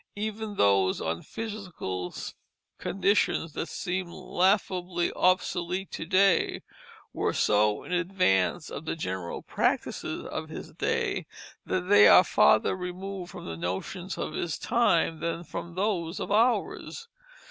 Even those on physical conditions that seem laughably obsolete to day were so in advance of the general practices of his day that they are farther removed from the notions of his time than from those of ours.